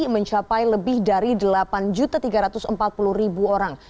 mencapai lebih dari delapan tiga ratus empat puluh orang